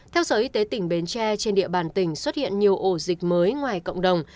theo sở y tế tỉnh bến tre trên địa bàn tỉnh xuất hiện nhiều ổ dịch mới ngoài cộng đồng